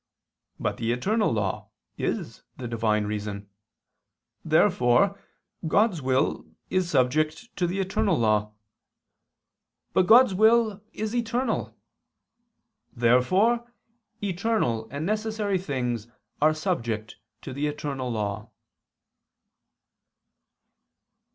But the eternal law is the Divine reason. Therefore God's will is subject to the eternal law. But God's will is eternal. Therefore eternal and necessary things are subject to the eternal law.